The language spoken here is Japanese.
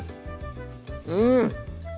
うん！